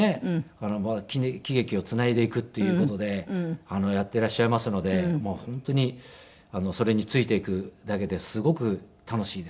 喜劇をつないでいくっていう事でやっていらっしゃいますので本当にそれについていくだけですごく楽しいです。